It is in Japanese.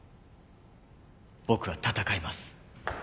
僕は戦います。